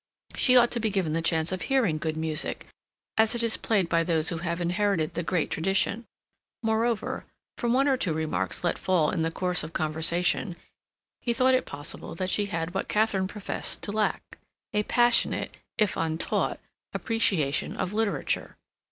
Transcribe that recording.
She ought to be given the chance of hearing good music, as it is played by those who have inherited the great tradition. Moreover, from one or two remarks let fall in the course of conversation, he thought it possible that she had what Katharine professed to lack, a passionate, if untaught, appreciation of literature.